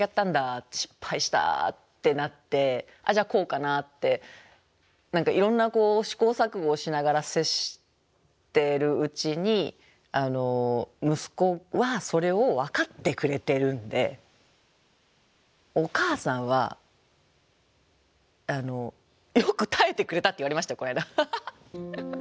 失敗した」ってなって「あっじゃあこうかな」って何かいろんな試行錯誤をしながら接してるうちに息子はそれを分かってくれてるんで「お母さんはよく耐えてくれた」って言われましたこの間。